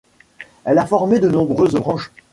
Elle a formé de nombreuses branches.